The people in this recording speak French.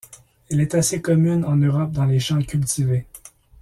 Elle est assez commune en Europe dans les champs cultivés.